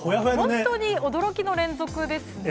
本当に驚きの連続ですね。